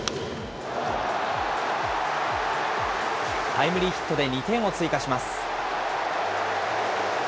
タイムリーヒットで２点を追加します。